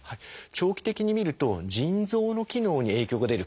長期的に見ると腎臓の機能に影響が出る可能性があります。